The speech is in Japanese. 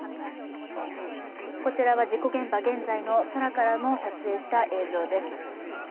こちらは事故現場、現在、空から撮影した映像です。